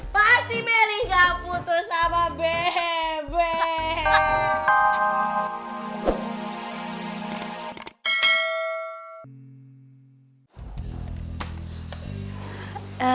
pasti meli gak putus sama bebe